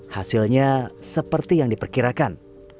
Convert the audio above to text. hasilnya seperti yang diperkirakan